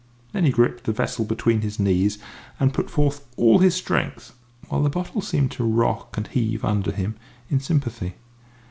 Then he gripped the vessel between his knees and put forth all his strength, while the bottle seemed to rock and heave under him in sympathy.